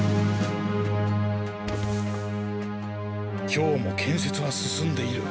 今日もけんせつは進んでいる。